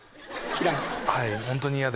はい。